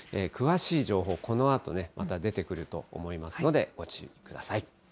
詳しい情報、このあとね、また出てくると思いますので、ご注意ください。